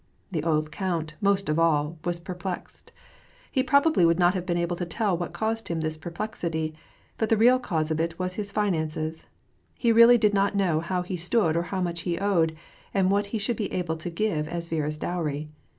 The old count, most of all, was perplexed. He probably would not have been able to tell what caused him this perplexity, but the real cause of it was his finances. He really did not know how he stood or how much he owed, and what he should be able to give as Viera's dowry.